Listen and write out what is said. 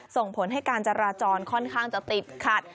ส่งผลให้การจราจรค่อนข้างจะติดขัด